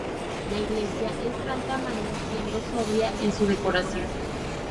La iglesia es gran tamaño, siendo sobria en su decoración.